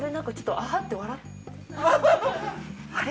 あれ？